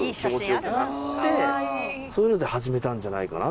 そういうので始めたんじゃないかなって思う。